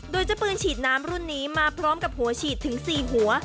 โดยเจ้าปืนฉีดน้ำรุ่นนี้มาพร้อมกับหัวฉีดถึง๔หัว